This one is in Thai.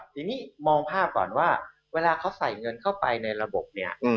ทีนี้มองภาพก่อนว่าเวลาเขาใส่เงินเข้าไปในระบบเนี่ย